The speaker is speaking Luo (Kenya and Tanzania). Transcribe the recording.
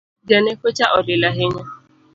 Janeko cha olil ahinya